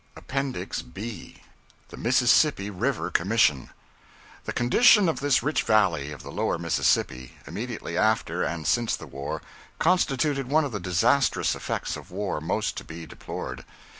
APPENDIX B THE MISSISSIPPI RIVER COMMISSION THE condition of this rich valley of the Lower Mississippi, immediately after and since the war, constituted one of the disastrous effects of war most to be deplored.